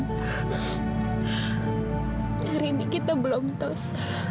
hari ini kita belum tahu